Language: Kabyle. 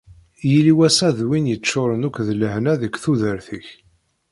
Yili wassa d win yeččuren akk d lehna deg tudert-ik.